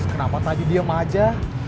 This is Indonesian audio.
kenapa tadi diam aja